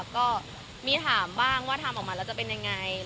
ก็มีถามบ้างว่าทำออกมาแล้วจะเป็นยังไง